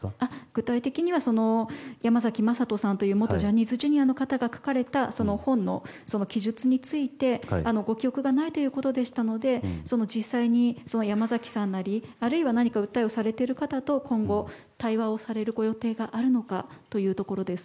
具体的には山崎正人さんという元ジャニーズＪｒ．の方が書かれた本の記述についてご記憶がないということでしたので実際に山崎さんなりあるいは何か訴えをされてる方と今後、対話をされるご予定があるのかというところです。